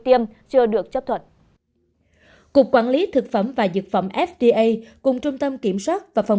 tiêm chưa được chấp thuận cục quản lý thực phẩm và dược phẩm fda cùng trung tâm kiểm soát và phòng